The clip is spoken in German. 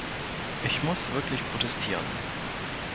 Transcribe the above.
Ich muss wirklich protestieren.